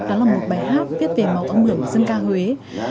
đó là một bài hát viết về màu âm ưởng dân ca huế